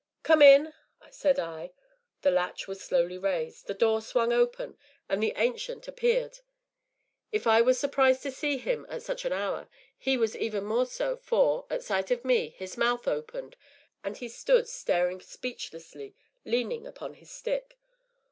"Come in!" said I. The latch was slowly raised, the door swung open, and the Ancient appeared. If I was surprised to see him at such an hour, he was even more so, for, at sight of me, his mouth opened, and he stood staring speechlessly, leaning upon his stick.